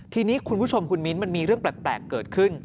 ทีนี้คุณผู้ชมคุณมิ้นมันมีเรื่องแปลกเกิดขึ้น